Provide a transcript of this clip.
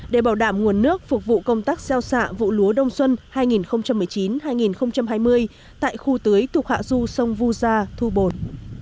để bảo đảm nguồn nước phục vụ công tác xeo xạ vụ lúa đông xuân hai nghìn một mươi chín hai nghìn hai mươi tại khu tưới thuộc hạ du sông vu gia thu bồn